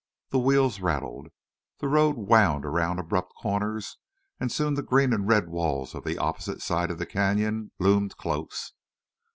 The wheels rattled. The road wound around abrupt corners, and soon the green and red wall of the opposite side of the canyon loomed close.